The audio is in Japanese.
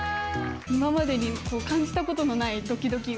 今までに感じたことのないドキドキを。